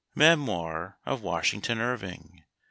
Memoir of Washington Irving.